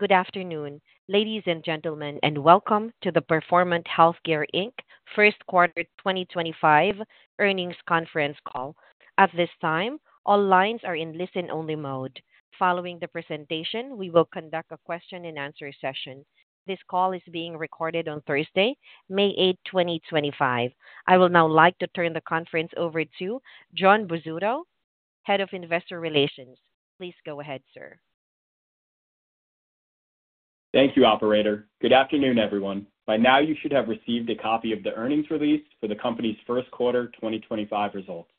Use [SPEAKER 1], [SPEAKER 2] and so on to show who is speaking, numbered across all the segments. [SPEAKER 1] Good afternoon, ladies and gentlemen, and welcome to the Performant Healthcare Inc first quarter 2025 earnings conference call. At this time, all lines are in listen-only mode. Following the presentation, we will conduct a question-and-answer session. This call is being recorded on Thursday, May 8, 2025. I would now like to turn the conference over to Jon Bozzuto, Head of Investor Relations. Please go ahead, sir.
[SPEAKER 2] Thank you, Operator. Good afternoon, everyone. By now, you should have received a copy of the earnings release for the company's first quarter 2025 results.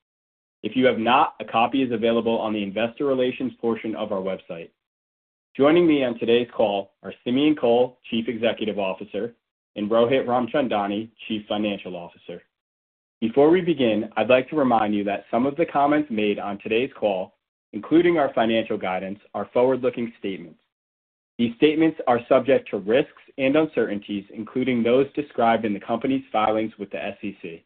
[SPEAKER 2] If you have not, a copy is available on the Investor Relations portion of our website. Joining me on today's call are Simeon Kohl, Chief Executive Officer, and Rohit Ramchandani, Chief Financial Officer. Before we begin, I'd like to remind you that some of the comments made on today's call, including our financial guidance, are forward-looking statements. These statements are subject to risks and uncertainties, including those described in the company's filings with the SEC.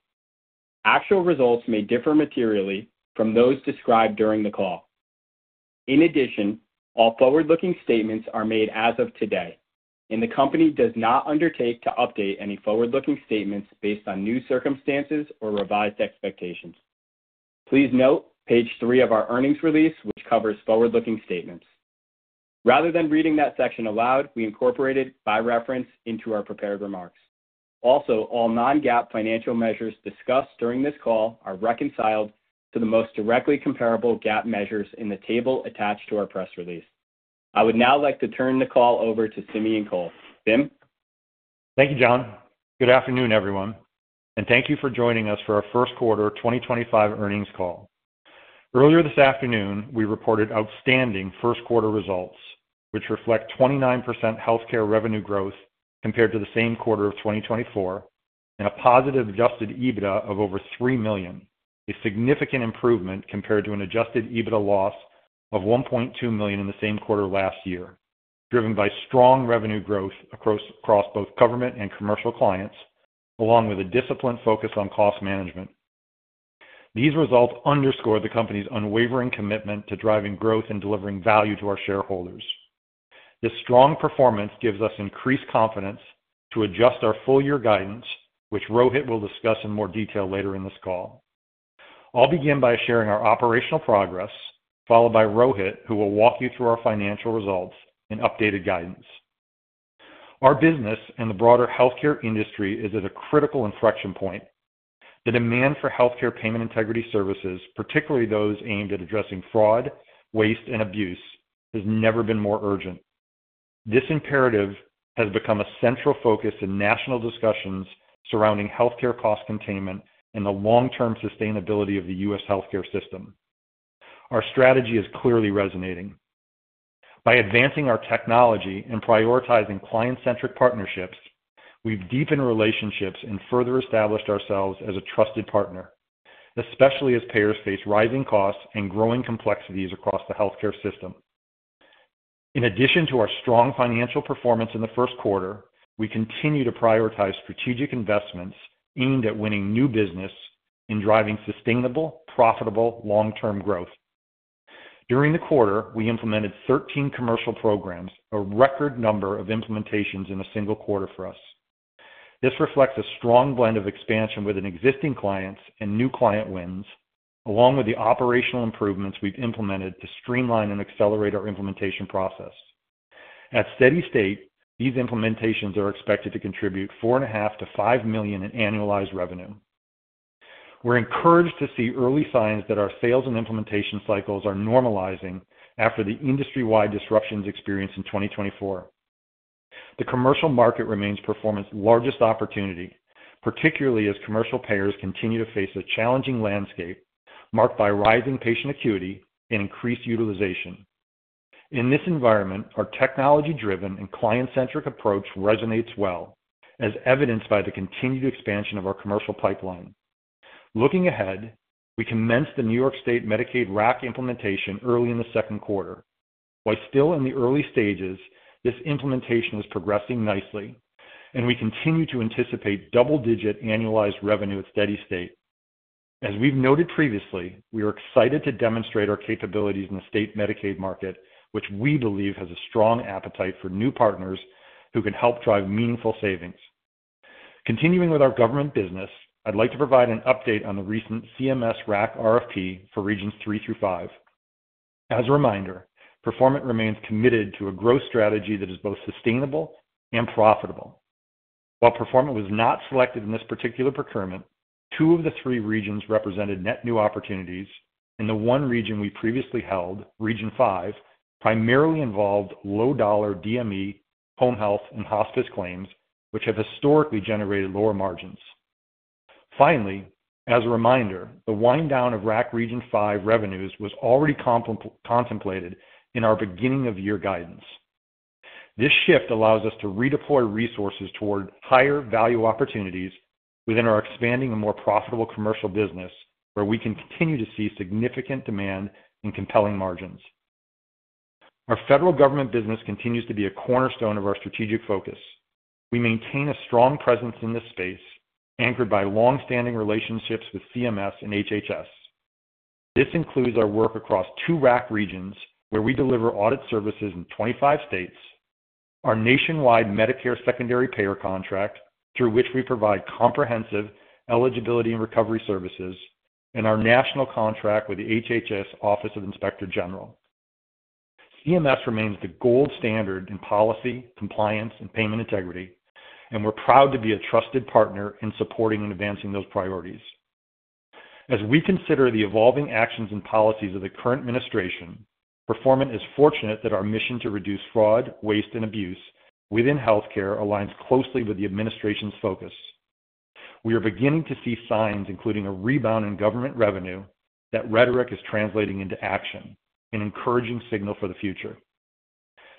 [SPEAKER 2] Actual results may differ materially from those described during the call. In addition, all forward-looking statements are made as of today, and the company does not undertake to update any forward-looking statements based on new circumstances or revised expectations. Please note page three of our earnings release, which covers forward-looking statements. Rather than reading that section aloud, we incorporated it by reference into our prepared remarks. Also, all non-GAAP financial measures discussed during this call are reconciled to the most directly comparable GAAP measures in the table attached to our press release. I would now like to turn the call over to Simeon Kohl. Simeon?
[SPEAKER 3] Thank you, Jon. Good afternoon, everyone, and thank you for joining us for our First Quarter 2025 earnings call. Earlier this afternoon, we reported outstanding First Quarter results, which reflect 29% healthcare revenue growth compared to the same quarter of 2024 and a positive Adjusted EBITDA of over $3 million, a significant improvement compared to an Adjusted EBITDA loss of $1.2 million in the same quarter last year, driven by strong revenue growth across both government and commercial clients, along with a disciplined focus on cost management. These results underscore the company's unwavering commitment to driving growth and delivering value to our shareholders. This strong performance gives us increased confidence to adjust our full-year guidance, which Rohit will discuss in more detail later in this call. I'll begin by sharing our operational progress, followed by Rohit, who will walk you through our financial results and updated guidance. Our business and the broader healthcare industry is at a critical inflection point. The demand for healthcare payment integrity services, particularly those aimed at addressing fraud, waste, and abuse, has never been more urgent. This imperative has become a central focus in national discussions surrounding healthcare cost containment and the long-term sustainability of the U.S. healthcare system. Our strategy is clearly resonating. By advancing our technology and prioritizing client-centric partnerships, we've deepened relationships and further established ourselves as a trusted partner, especially as payers face rising costs and growing complexities across the healthcare system. In addition to our strong financial performance in the first quarter, we continue to prioritize strategic investments aimed at winning new business and driving sustainable, profitable long-term growth. During the quarter, we implemented 13 commercial programs, a record number of implementations in a single quarter for us. This reflects a strong blend of expansion within existing clients and new client wins, along with the operational improvements we've implemented to streamline and accelerate our implementation process. At steady state, these implementations are expected to contribute $4.5 million-$5 million in annualized revenue. We're encouraged to see early signs that our sales and implementation cycles are normalizing after the industry-wide disruptions experienced in 2024. The commercial market remains Performant's largest opportunity, particularly as commercial payers continue to face a challenging landscape marked by rising patient acuity and increased utilization. In this environment, our technology-driven and client-centric approach resonates well, as evidenced by the continued expansion of our commercial pipeline. Looking ahead, we commenced the New York State Medicaid RAC implementation early in the second quarter. While still in the early stages, this implementation is progressing nicely, and we continue to anticipate double-digit annualized revenue at steady state. As we've noted previously, we are excited to demonstrate our capabilities in the state Medicaid market, which we believe has a strong appetite for new partners who can help drive meaningful savings. Continuing with our government business, I'd like to provide an update on the recent CMS RAC RFP for Regions 3 through 5. As a reminder, Performant remains committed to a growth strategy that is both sustainable and profitable. While Performant was not selected in this particular procurement, two of the three regions represented net new opportunities, and the one region we previously held, Region 5, primarily involved low-dollar DME, home health, and hospice claims, which have historically generated lower margins. Finally, as a reminder, the wind-down of RAC Region 5 revenues was already contemplated in our beginning-of-year guidance. This shift allows us to redeploy resources toward higher value opportunities within our expanding and more profitable commercial business, where we can continue to see significant demand and compelling margins. Our federal government business continues to be a cornerstone of our strategic focus. We maintain a strong presence in this space, anchored by long-standing relationships with CMS and HHS. This includes our work across two RAC regions where we deliver audit services in 25 states, our nationwide Medicare Secondary Payer Contract through which we provide comprehensive eligibility and recovery services, and our national contract with the HHS Office of Inspector General. CMS remains the gold standard in policy, compliance, and payment integrity, and we're proud to be a trusted partner in supporting and advancing those priorities. As we consider the evolving actions and policies of the current administration, Performant is fortunate that our mission to reduce fraud, waste, and abuse within healthcare aligns closely with the administration's focus. We are beginning to see signs, including a rebound in government revenue, that rhetoric is translating into action, an encouraging signal for the future.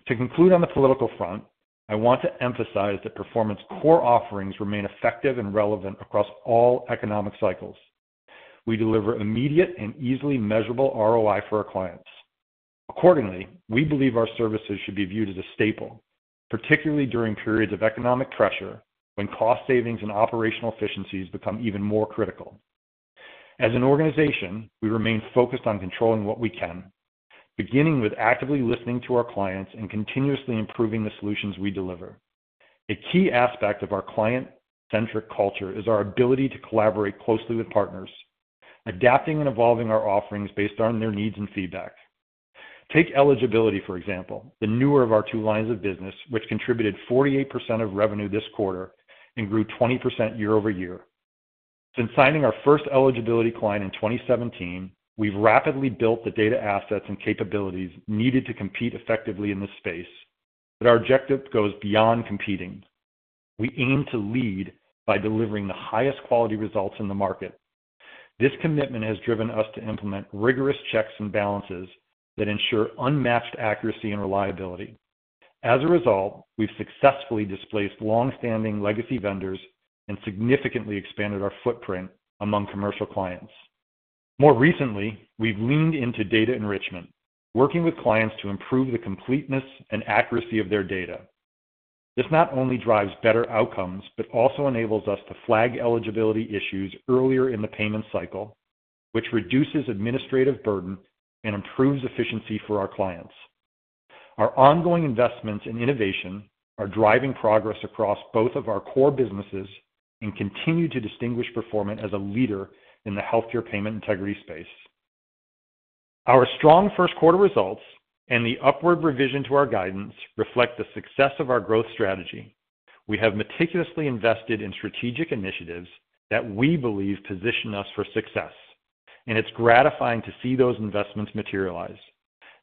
[SPEAKER 3] To conclude on the political front, I want to emphasize that Performant's core offerings remain effective and relevant across all economic cycles. We deliver immediate and easily measurable ROI for our clients. Accordingly, we believe our services should be viewed as a staple, particularly during periods of economic pressure when cost savings and operational efficiencies become even more critical. As an organization, we remain focused on controlling what we can, beginning with actively listening to our clients and continuously improving the solutions we deliver. A key aspect of our client-centric culture is our ability to collaborate closely with partners, adapting and evolving our offerings based on their needs and feedback. Take eligibility, for example, the newer of our two lines of business, which contributed 48% of revenue this quarter and grew 20% year-over-year. Since signing our first eligibility client in 2017, we've rapidly built the data assets and capabilities needed to compete effectively in this space, but our objective goes beyond competing. We aim to lead by delivering the highest quality results in the market. This commitment has driven us to implement rigorous checks and balances that ensure unmatched accuracy and reliability. As a result, we've successfully displaced long-standing legacy vendors and significantly expanded our footprint among commercial clients. More recently, we've leaned into data enrichment, working with clients to improve the completeness and accuracy of their data. This not only drives better outcomes but also enables us to flag eligibility issues earlier in the payment cycle, which reduces administrative burden and improves efficiency for our clients. Our ongoing investments and innovation are driving progress across both of our core businesses and continue to distinguish Performant as a leader in the healthcare payment integrity space. Our strong first-quarter results and the upward revision to our guidance reflect the success of our growth strategy. We have meticulously invested in strategic initiatives that we believe position us for success, and it's gratifying to see those investments materialize.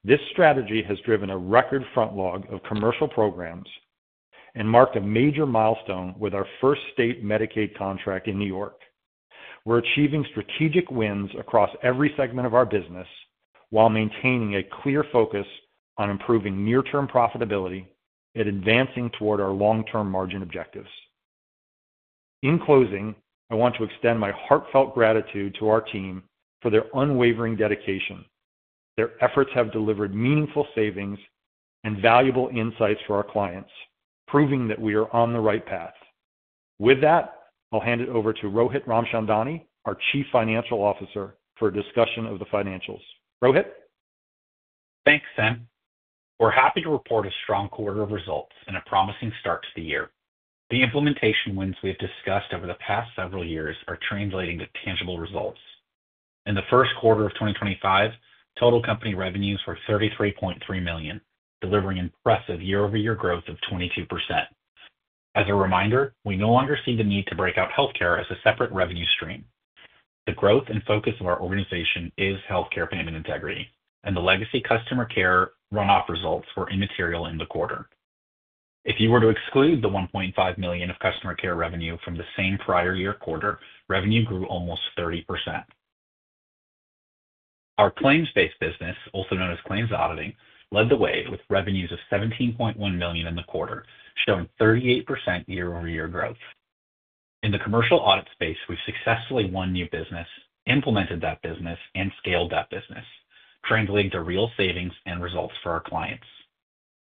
[SPEAKER 3] This strategy has driven a record Frontlog of commercial programs and marked a major milestone with our first state Medicaid contract in New York State. We're achieving strategic wins across every segment of our business while maintaining a clear focus on improving near-term profitability and advancing toward our long-term margin objectives. In closing, I want to extend my heartfelt gratitude to our team for their unwavering dedication. Their efforts have delivered meaningful savings and valuable insights for our clients, proving that we are on the right path. With that, I'll hand it over to Rohit Ramchandani, our Chief Financial Officer, for a discussion of the financials. Rohit?
[SPEAKER 4] Thanks, Sim. We're happy to report a strong quarter of results and a promising start to the year. The implementation wins we have discussed over the past several years are translating to tangible results. In the first quarter of 2025, total company revenues were $33.3 million, delivering impressive year-over-year growth of 22%. As a reminder, we no longer see the need to break out healthcare as a separate revenue stream. The growth and focus of our organization is healthcare payment integrity, and the legacy customer care run-off results were immaterial in the quarter. If you were to exclude the $1.5 million of customer care revenue from the same prior year quarter, revenue grew almost 30%. Our claims-based business, also known as claims auditing, led the way with revenues of $17.1 million in the quarter, showing 38% year-over-year growth. In the commercial audit space, we've successfully won new business, implemented that business, and scaled that business, translating to real savings and results for our clients.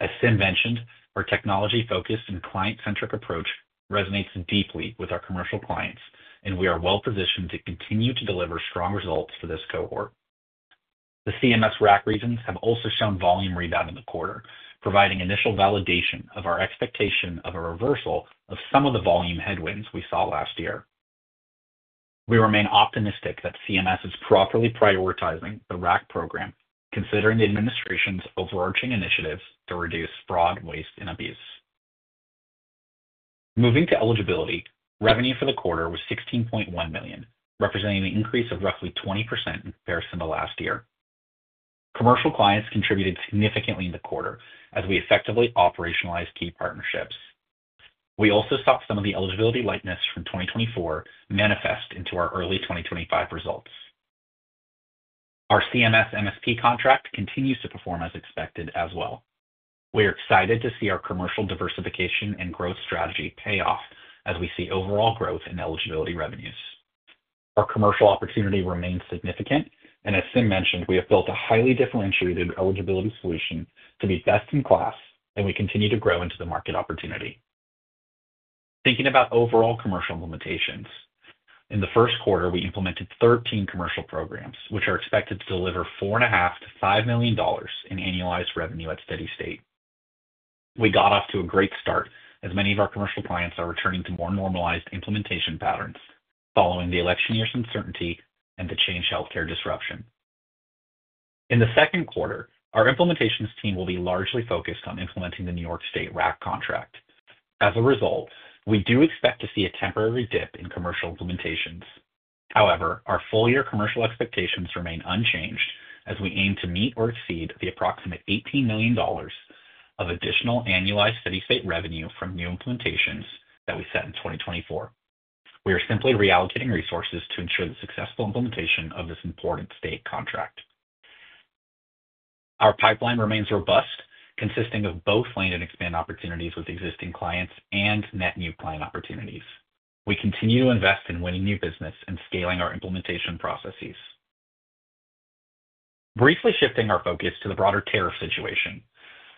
[SPEAKER 4] As Sim mentioned, our technology-focused and client-centric approach resonates deeply with our commercial clients, and we are well-positioned to continue to deliver strong results for this cohort. The CMS RAC regions have also shown volume rebound in the quarter, providing initial validation of our expectation of a reversal of some of the volume headwinds we saw last year. We remain optimistic that CMS is properly prioritizing the RAC program, considering the administration's overarching initiatives to reduce fraud, waste, and abuse. Moving to eligibility, revenue for the quarter was $16.1 million, representing an increase of roughly 20% in comparison to last year. Commercial clients contributed significantly in the quarter as we effectively operationalized key partnerships. We also saw some of the eligibility likeness from 2024 manifest into our early 2025 results. Our CMS MSP contract continues to perform as expected as well. We are excited to see our commercial diversification and growth strategy pay off as we see overall growth in eligibility revenues. Our commercial opportunity remains significant, and as Sim mentioned, we have built a highly differentiated eligibility solution to be best in class, and we continue to grow into the market opportunity. Thinking about overall commercial implementations, in the first quarter, we implemented 13 commercial programs, which are expected to deliver $4.5million-$5 million in annualized revenue at steady state. We got off to a great start as many of our commercial clients are returning to more normalized implementation patterns following the election year's uncertainty and the Chang Healthcare disruption. In the second quarter, our implementations team will be largely focused on implementing the New York State RAC contract. As a result, we do expect to see a temporary dip in commercial implementations. However, our full-year commercial expectations remain unchanged as we aim to meet or exceed the approximate $18 million of additional annualized steady state revenue from new implementations that we set in 2024. We are simply reallocating resources to ensure the successful implementation of this important state contract. Our pipeline remains robust, consisting of both land and expand opportunities with existing clients and net new client opportunities. We continue to invest in winning new business and scaling our implementation processes. Briefly shifting our focus to the broader tariff situation,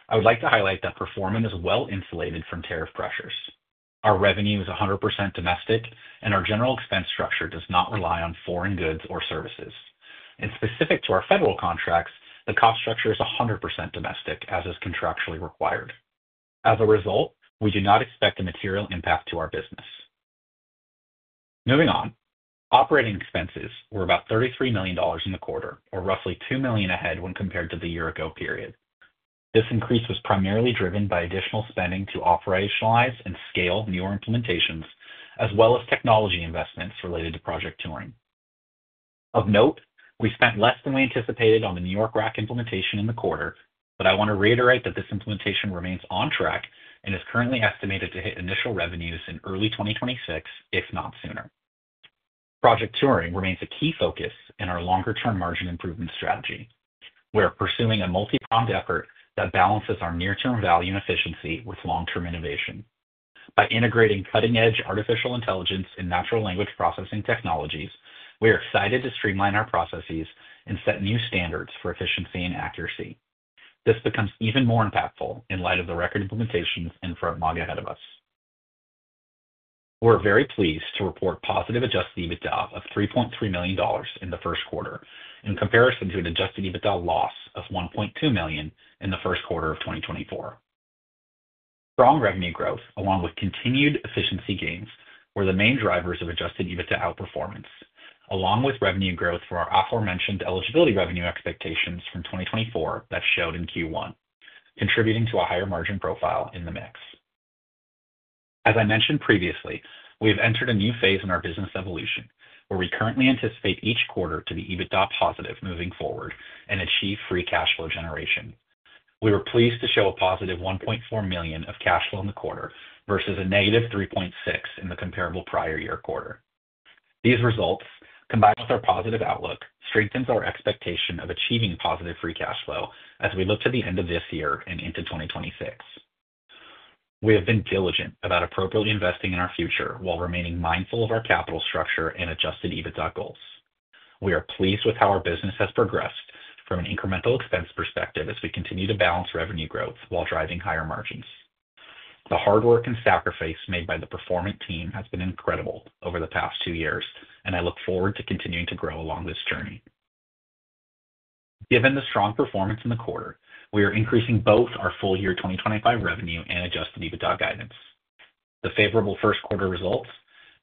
[SPEAKER 4] I would like to highlight that Performant is well-insulated from tariff pressures. Our revenue is 100% domestic, and our general expense structure does not rely on foreign goods or services. Specific to our federal contracts, the cost structure is 100% domestic, as is contractually required. As a result, we do not expect a material impact to our business. Moving on, operating expenses were about $33 million in the quarter, or roughly $2 million ahead when compared to the year-ago period. This increase was primarily driven by additional spending to operationalize and scale newer implementations, as well as technology investments related to Project Turing. Of note, we spent less than we anticipated on the New York State RAC implementation in the quarter, but I want to reiterate that this implementation remains on track and is currently estimated to hit initial revenues in early 2026, if not sooner. Project Turing remains a key focus in our longer-term margin improvement strategy. We are pursuing a multi-pronged effort that balances our near-term value and efficiency with long-term innovation. By integrating cutting-edge artificial intelligence and natural language processing technologies, we are excited to streamline our processes and set new standards for efficiency and accuracy. This becomes even more impactful in light of the record implementations and frontlog ahead of us. We're very pleased to report positive Adjusted EBITDA of $3.3 million in the first quarter, in comparison to an Adjusted EBITDA loss of $1.2 million in the first quarter of 2024. Strong revenue growth, along with continued efficiency gains, were the main drivers of Adjusted EBITDA outperformance, along with revenue growth for our aforementioned eligibility revenue expectations from 2024 that showed in Q1, contributing to a higher margin profile in the mix. As I mentioned previously, we have entered a new phase in our business evolution, where we currently anticipate each quarter to be EBITDA positive moving forward and achieve free cash flow generation. We were pleased to show a positive $1.4 million of cash flow in the quarter versus a negative $3.6 million in the comparable prior year quarter. These results, combined with our positive outlook, strengthen our expectation of achieving positive free cash flow as we look to the end of this year and into 2026. We have been diligent about appropriately investing in our future while remaining mindful of our capital structure and Adjusted EBITDA goals. We are pleased with how our business has progressed from an incremental expense perspective as we continue to balance revenue growth while driving higher margins. The hard work and sacrifice made by the Performant team has been incredible over the past two years, and I look forward to continuing to grow along this journey. Given the strong performance in the quarter, we are increasing both our full-year 2025 revenue and Adjusted EBITDA guidance. The favorable first quarter results,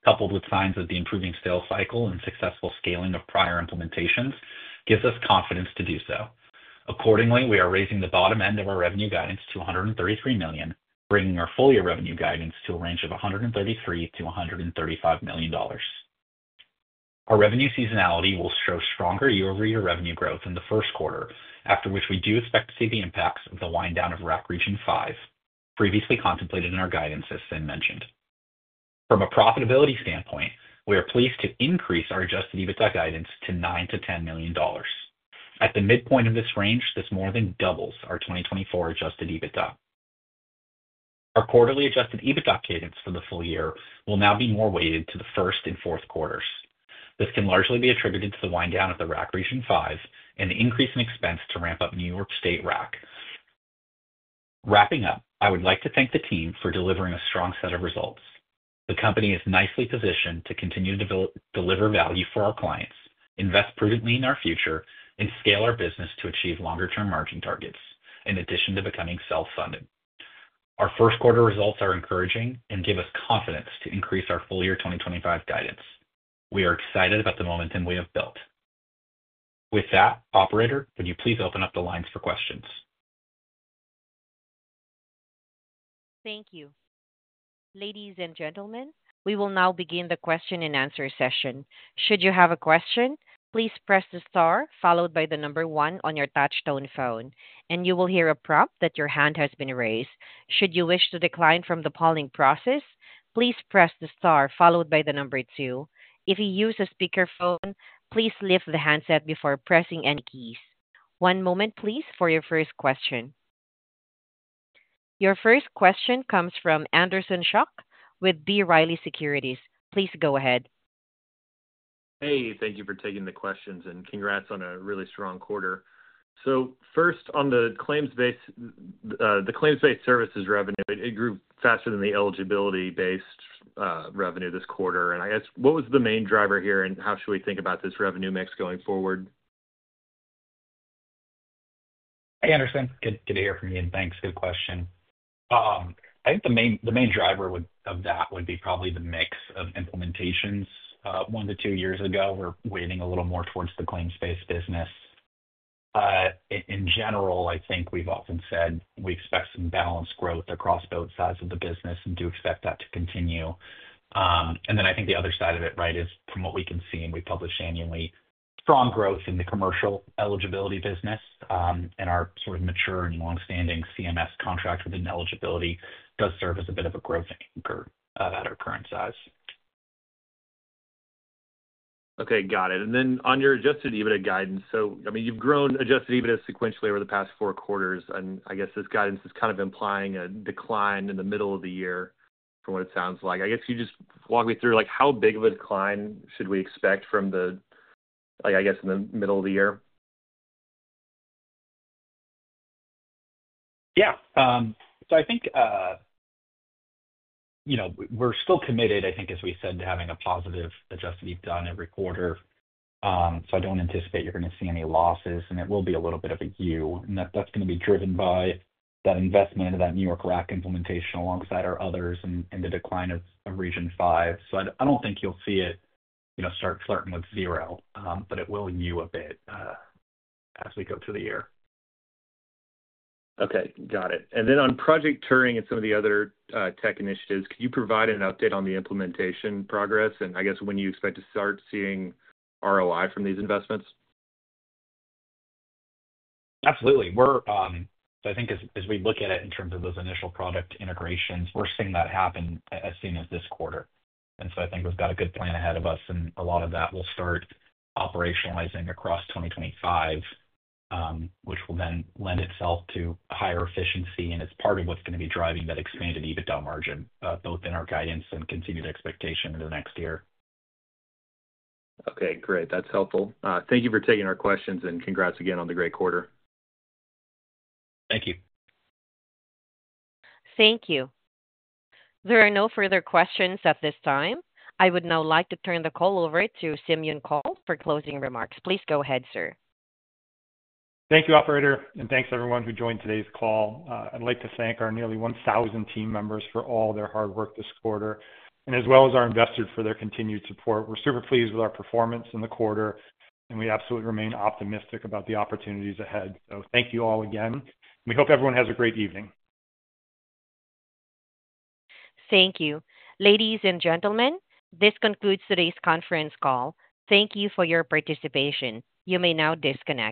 [SPEAKER 4] coupled with signs of the improving sales cycle and successful scaling of prior implementations, give us confidence to do so. Accordingly, we are raising the bottom end of our revenue guidance to $133 million, bringing our full-year revenue guidance to a range of $133 million-$135 million. Our revenue seasonality will show stronger year-over-year revenue growth in the first quarter, after which we do expect to see the impacts of the wind-down of RAC Region 5, previously contemplated in our guidance, as Sim mentioned. From a profitability standpoint, we are pleased to increase our Adjusted EBITDA guidance to $9 million-$10 million. At the midpoint of this range, this more than doubles our 2024 Adjusted EBITDA. Our quarterly Adjusted EBITDA cadence for the full year will now be more weighted to the first and fourth quarters. This can largely be attributed to the wind-down of the RAC Region 5 and the increase in expense to ramp up New York State RAC. Wrapping up, I would like to thank the team for delivering a strong set of results. The company is nicely positioned to continue to deliver value for our clients, invest prudently in our future, and scale our business to achieve longer-term margin targets, in addition to becoming self-funded. Our first quarter results are encouraging and give us confidence to increase our full-year 2025 guidance. We are excited about the momentum we have built. With that, Operator, would you please open up the lines for questions?
[SPEAKER 1] Thank you. Ladies and gentlemen, we will now begin the question-and-answer session. Should you have a question, please press the star followed by the number one on your touch-tone phone, and you will hear a prompt that your hand has been raised. Should you wish to decline from the polling process, please press the star followed by the number two. If you use a speakerphone, please lift the handset before pressing any keys. One moment, please, for your first question. Your first question comes from Anderson Schock with B. Riley Securities. Please go ahead.
[SPEAKER 5] Hey, thank you for taking the questions, and congrats on a really strong quarter. First, on the claims-based services revenue, it grew faster than the eligibility-based revenue this quarter. I guess, what was the main driver here, and how should we think about this revenue mix going forward?
[SPEAKER 4] Hey, Anderson, good to hear from you, and thanks. Good question. I think the main driver of that would be probably the mix of implementations. One to two years ago, we were weighting a little more towards the claims-based business. In general, I think we've often said we expect some balanced growth across both sides of the business and do expect that to continue. I think the other side of it, right, is from what we can see and we publish annually, strong growth in the commercial eligibility business, and our sort of mature and long-standing CMS contract within eligibility does serve as a bit of a growth anchor at our current size.
[SPEAKER 5] Okay, got it. And then on your Adjusted EBITDA guidance, I mean, you've grown Adjusted EBITDA sequentially over the past four quarters, and I guess this guidance is kind of implying a decline in the middle of the year, from what it sounds like. I guess, could you just walk me through how big of a decline should we expect from the, I guess, in the middle of the year?
[SPEAKER 4] Yeah. So I think we're still committed, I think, as we said, to having a positive Adjusted EBITDA on every quarter. I don't anticipate you're going to see any losses, and it will be a little bit of a U, and that's going to be driven by that investment of that New York RAC implementation alongside our others and the decline of Region 5. I don't think you'll see it start flirting with zero, but it will U a bit as we go through the year.
[SPEAKER 5] Okay, got it. On Project Turing and some of the other tech initiatives, could you provide an update on the implementation progress, and I guess when you expect to start seeing ROI from these investments?
[SPEAKER 4] Absolutely. I think as we look at it in terms of those initial product integrations, we're seeing that happen as soon as this quarter. I think we've got a good plan ahead of us, and a lot of that will start operationalizing across 2025, which will then lend itself to higher efficiency, and it's part of what's going to be driving that expanded EBITDA margin, both in our guidance and continued expectation into the next year.
[SPEAKER 5] Okay, great. That's helpful. Thank you for taking our questions, and congrats again on the great quarter.
[SPEAKER 4] Thank you.
[SPEAKER 1] Thank you. There are no further questions at this time. I would now like to turn the call over to Simeon Kohl for closing remarks. Please go ahead, sir.
[SPEAKER 3] Thank you, Operator, and thanks everyone who joined today's call. I'd like to thank our nearly 1,000 team members for all their hard work this quarter, as well as our investors for their continued support. We're super pleased with our performance in the quarter, and we absolutely remain optimistic about the opportunities ahead. Thank you all again, and we hope everyone has a great evening.
[SPEAKER 1] Thank you. Ladies and gentlemen, this concludes today's conference call. Thank you for your participation. You may now disconnect.